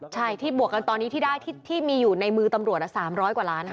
ใช่ที่บวกกันตอนนี้ที่ได้ที่มีอยู่ในมือตำรวจ๓๐๐กว่าล้าน